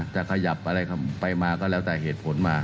จะขยับอะไรไปมาก็แล้วแต่เหตุผลมา